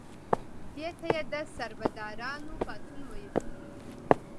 دې ته یې د سربدارانو پاڅون ویل.